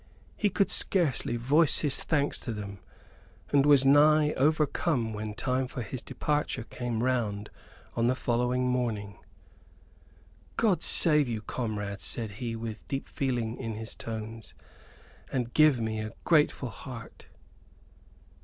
He could scarcely voice his thanks to them; and was nigh overcome when time for his departure came round on the following morning. "God save you, comrades," said he, with deep feeling in his tones, "and give me a grateful heart."